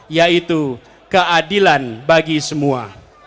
yaitu keadilan bagi semua